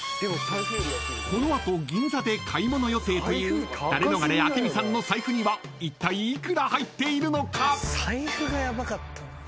［この後銀座で買い物予定というダレノガレ明美さんの財布にはいったい幾ら入っているのか？］